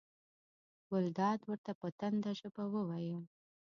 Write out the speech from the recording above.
ګلداد ورته په تنده ژبه وویل.